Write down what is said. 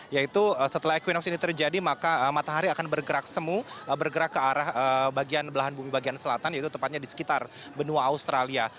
yaitu setelah equinox ini terjadi maka matahari akan bergerak semu bergerak ke arah bagian belahan bumi bagian selatan yaitu tepatnya di sekitar benua australia